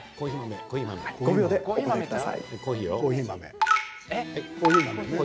５秒でお答えください。